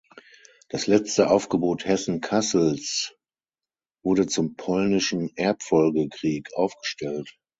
Das letzte Aufgebot Hessen-Kassels wurde zum Polnischen Erbfolgekrieg aufgestellt.